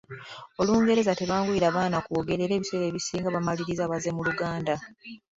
Olungereza terwanguyira baana kwogera era ebiseera ebisinga bamaliriza bazze mu Luganda.